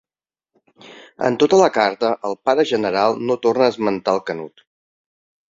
En tota la carta el Pare General no torna a esmentar el Canut.